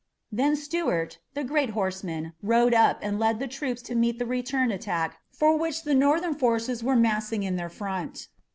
Then Stuart, the great horseman, rode up and led the troops to meet the return attack for which the Northern forces were massing in their front.